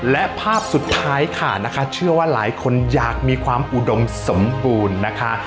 และภาพสุดท้ายค่ะนะคะเชื่อว่าหลายคนอยากมีความอุดมสมบูรณ์นะคะ